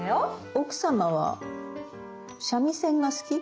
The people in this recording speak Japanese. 奥様は三味線が好き？